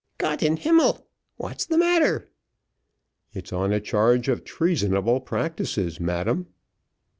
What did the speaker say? "Gott in himmel! what's the matter?" "It's on a charge of treasonable practices, madam."